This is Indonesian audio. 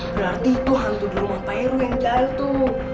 berarti itu hantu di rumah peru yang jantung